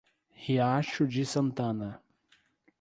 Riacho de Santana